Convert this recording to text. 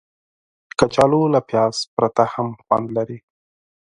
کچالو له پیاز پرته هم خوند لري